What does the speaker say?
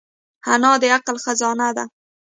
انا د عقل خزانه ده